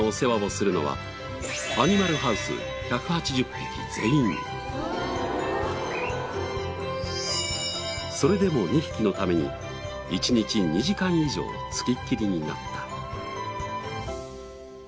とはいえそれでも２匹のために１日２時間以上付きっきりになった。